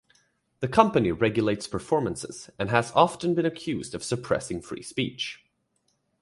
The company regulates performances, and has often been accused of suppressing free speech.